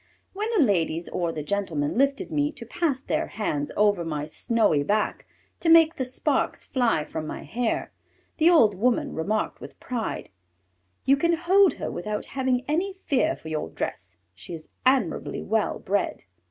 When the ladies or the gentlemen lifted me to pass their hands over my snowy back to make the sparks fly from my hair, the old woman remarked with pride, "You can hold her without having any fear for your dress; she is admirably well bred!"